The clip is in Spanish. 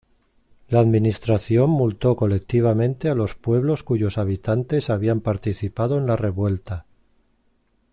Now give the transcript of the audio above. La Administración multó colectivamente a los pueblos cuyos habitantes habían participado en la revuelta.